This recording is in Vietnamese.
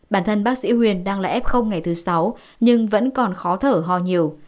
bản thân bác sĩ huyền đang là ép không ngày thứ sáu nhưng vẫn còn khó thở ho nhiều